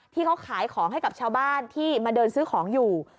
ที่เขาขายของให้กับชาวบ้านที่มาเดินซื้อของอยู่